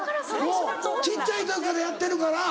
もう小っちゃい時からやってるから。